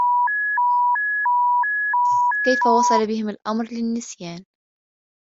كيف وصل بهم الأمر للنّسيان؟